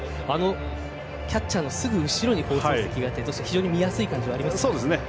キャッチャーのすぐ後ろに放送席があってとても見やすい感じがしますね。